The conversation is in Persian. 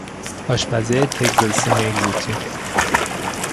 آشپزی تگزاسی - مکزیکی